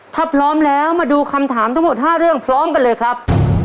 ถ้าพร้อมแล้วมาดูคำถามทั้งหมด๕เรื่องพร้อมกันเลยครับ